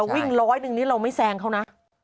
วิ่ง๑๐๐กรัมหนึ่งถึงเราไม่แซต์กันเข้านะ